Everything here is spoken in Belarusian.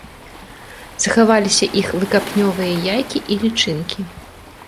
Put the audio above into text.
Захаваліся іх выкапнёвыя яйкі і лічынкі.